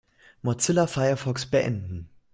Mozilla Firefox beenden.